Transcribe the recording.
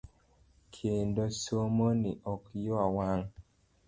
Kendo somo ni ok ywa wang'.